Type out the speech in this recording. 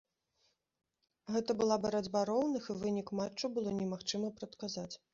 Гэта была барацьба роўных і вынік матчу было немагчыма прадказаць.